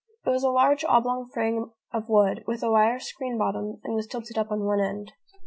It was a large oblong frame of wood, with a wire screen bottom, and was tilted up on one end.